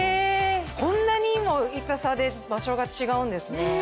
こんなにも痛さで場所が違うんですね